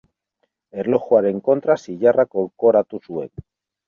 Erlojuaren kontra zilarra kolkoratu zuen.